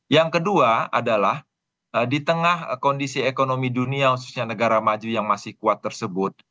yang kedua adalah di tengah kondisi ekonomi dunia khususnya negara maju yang masih kuat tersebut